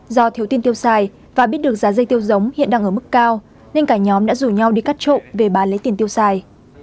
do thiếu tiền tiêu xài và biết được giá dây tiêu giống hiện đang ở mức cao nên cả nhóm đã rủ nhau đi cắt trộn về bán lấy tiền tiêu xài